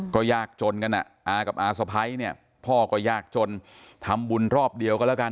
ก็ยากจนกันอ่ะอากับอาสะพ้ายเนี่ยพ่อก็ยากจนทำบุญรอบเดียวก็แล้วกัน